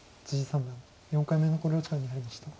三段４回目の考慮時間に入りました。